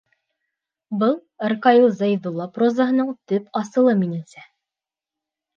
Был — Ркаил Зәйҙулла прозаһының төп асылы, минеңсә.